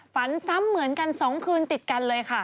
ฝันซ้ำเหมือนกัน๒คืนติดกันเลยค่ะ